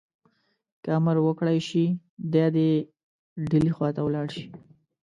که امر وکړای شي دی دي ډهلي خواته ولاړ شي.